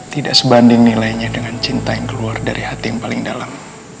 tidak sebanding nilainya dengan cinta yang keluar dari hati yang paling dalam